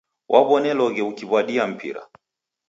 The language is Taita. Waw'oneloghe ukiw'adia mpira.